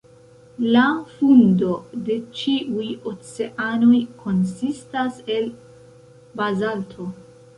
La fundo de ĉiuj oceanoj konsistas el bazalto.